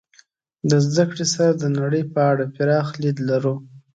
د زدهکړې سره د نړۍ په اړه پراخ لید لرو.